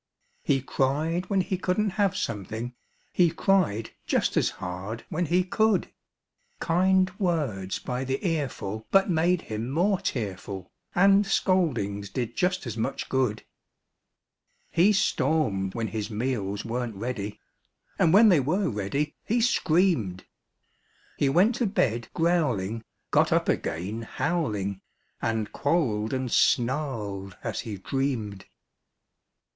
He cried when he couldn't have something; He cried just as hard when he could; Kind words by the earful but made him more tearful, And scoldings did just as much good. He stormed when his meals weren't ready, And when they were ready, he screamed. He went to bed growling, got up again howling And quarreled and snarled as he dreamed.